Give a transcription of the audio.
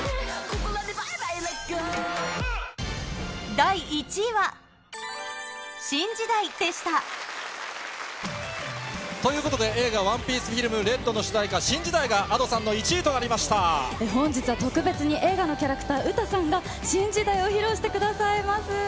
第１位は、ということで、映画、ＯＮＥＰＩＥＣＥＦＩＬＭＲＥＤの主題歌、新時代がＡｄｏ本日は特別に映画のキャラクター、ウタさんが新時代を披露してくださいます。